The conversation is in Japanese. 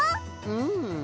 うん。